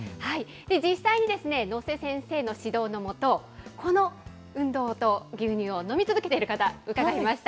実際に能勢先生の指導の下、この運動と牛乳を飲み続けている方、伺いました。